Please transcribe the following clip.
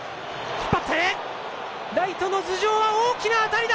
引っ張って、ライトの頭上は、大きな当たりだ。